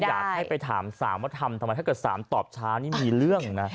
อยากให้ไปถามสามว่าทำว่าถ้ามีสามตอบช้านี่มีเรื่องนะ